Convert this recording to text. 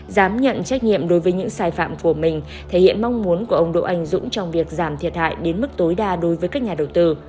dám nhận trách nhiệm đối với những sai phạm của mình thể hiện mong muốn của ông đỗ anh dũng trong việc giảm thiệt hại đến mức tối đa đối với các nhà đầu tư